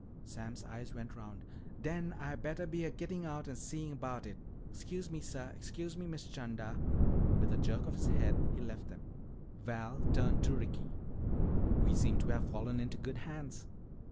Sam's eyes went round. "Den Ah bettah be a gittin' out an' see 'bout it. 'Scuse me, suh. 'Scuse me, Miss 'Chanda." With a jerk of his head he left them. Val turned to Ricky. "We seem to have fallen into good hands."